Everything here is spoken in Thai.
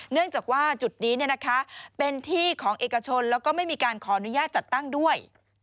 เนื่องจากว่าจุดนี้เป็นที่ของเอกชนแล้วก็ไม่มีการขออนุญาตจัดตั้งด้วย